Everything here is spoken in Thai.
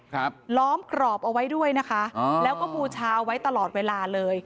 ครับล้อมกรอบเอาไว้ด้วยนะคะอ๋อแล้วก็บูชาเอาไว้ตลอดเวลาเลย